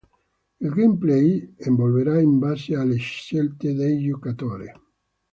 Il gameplay evolverà in base alle scelte del giocatore.